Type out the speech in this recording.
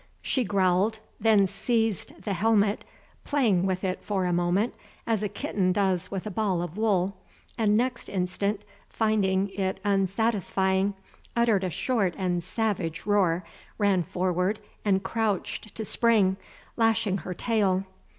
She growled, then seized the helmet, playing with it for a moment as a kitten does with a ball of wool, and next instant, finding it unsatisfying, uttered a short and savage roar, ran forward, and crouched to spring, lashing her tail.